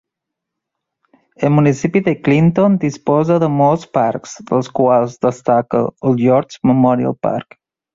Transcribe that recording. El municipi de Clinton disposa de molts parcs, dels quals destaca el George Memorial Park.